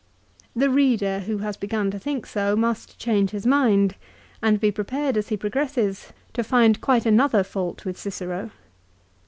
The reader, who has begun to think so, must change his mind, and be prepared, as he progresses, to find quite another fault with Cicero.